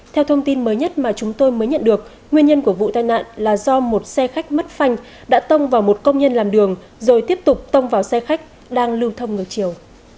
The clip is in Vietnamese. theo thông tin mới nhất mà chúng tôi mới nhận được nguyên nhân của vụ tai nạn là do một xe khách mất phanh đã tông vào một công nhân làm đường rồi tiếp tục tông vào xe khách đang lưu thông ngược chiều